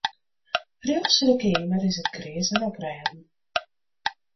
Rjochts yn de keamer is it kreas en oprêden.